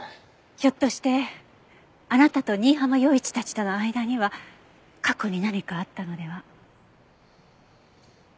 ひょっとしてあなたと新浜陽一たちとの間には過去に何かあったのでは？